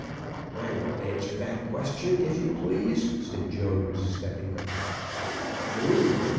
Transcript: "I will answer that question, if you please," said Jones, stepping up. "You!"